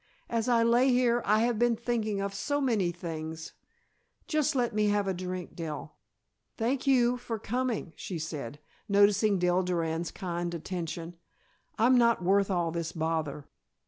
"As I lay here I have been thinking of so many things. Just let me have a drink, Dell. Thank you for coming," she said, noticing Dell Durand's kind attention. "I'm not worth all this bother."